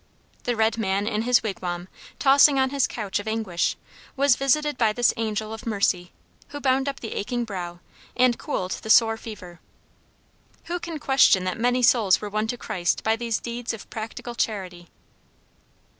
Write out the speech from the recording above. The red man in his wigwam, tossing on his couch of anguish, was visited by this angel of mercy, who bound up the aching brow, and cooled the sore fever. Who can question that many souls were won to Christ by these deeds of practical charity.